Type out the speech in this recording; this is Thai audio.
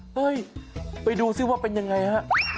เฮ้ยไปดูซิว่าเป็นยังไงฮะ